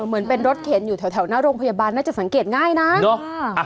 เหมือนเป็นรถเข็นอยู่แถวหน้าโรงพยาบาลน่าจะสังเกตง่ายนะ